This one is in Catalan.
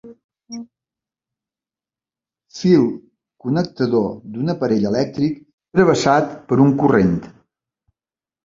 Fil connectador d'un aparell elèctric, travessat per un corrent.